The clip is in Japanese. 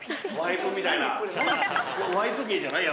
ワイプ芸じゃない？